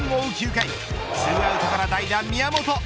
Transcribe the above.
９回２アウトから代打、宮本。